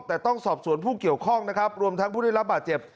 แต่ต้องสอบสวนผู้เกี่ยวข้องนะครับรวมทั้งผู้ได้รับบาดเจ็บ